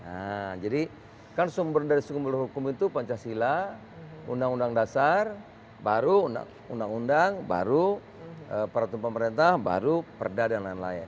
nah jadi kan sumber dari sumber hukum itu pancasila undang undang dasar baru undang undang baru peraturan pemerintah baru perda dan lain lain